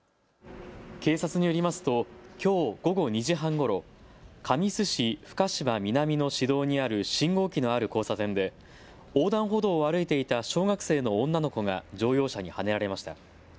警察によりますときょう午後２時半ごろ神栖市深芝南の市道にある信号機のある交差点で横断歩道を歩いていた小学生の女の子が乗用車にはねられました。